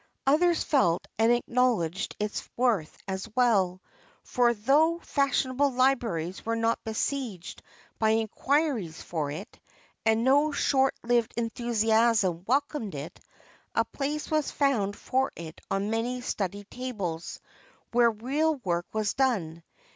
Others felt and acknowledged its worth as well, for though fashionable libraries were not besieged by inquiries for it, and no short lived enthusiasm welcomed it, a place was found for it on many study tables, where real work was done.